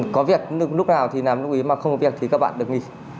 có việc lúc nào thì làm lúc ý mà không có việc thì các bạn được nghỉ